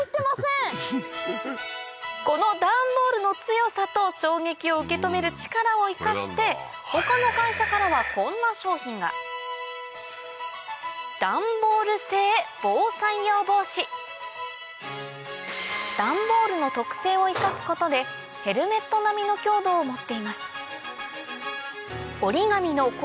このダンボールの強さと衝撃を受け止める力を生かして他の会社からはこんな商品がダンボールの特性を生かすことでを持っています